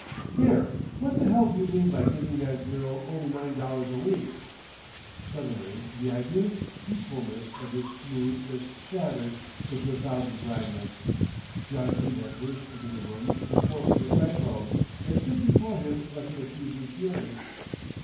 "Here, what the hell do you mean by giving that girl only nine dollars a week?" Suddenly the idyllic peaceful ness of his mood was shattered into a thousand fragments. John Dene had burst into the room with the force of a cyclone, and stood before him like an accusing fury.